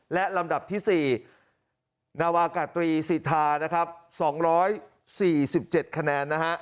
และลำดับที่๔นาวากาตรีสิทธานะครับ๒๔๗คะแนนนะฮะ